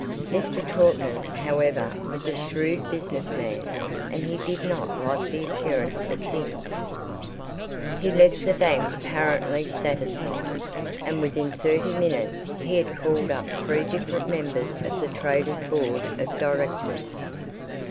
Mr. Trautman, however, was a shrewd business man, and he did not like the appearance of things. He left the bank apparently satisfied, and within thirty minutes he had called up three different members of the Traders' Board of Directors.